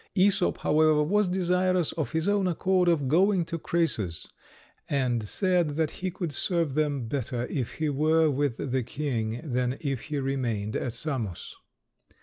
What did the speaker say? Æsop, however, was desirous of his own accord of going to Crœsus, and said that he could serve them better if he were with the king than if he remained at Samos.